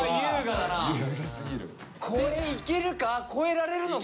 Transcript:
これいけるか？